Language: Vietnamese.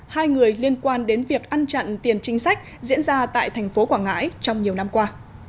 hai người liên quan đến việc ăn chặn tiền chính sách diễn ra tại thành phố quảng ngãi trong nhiều năm qua